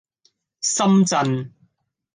深圳